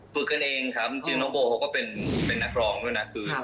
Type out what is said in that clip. กันเองครับจริงน้องโบเขาก็เป็นนักร้องด้วยนะคือ